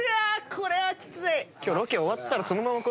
これはきつい。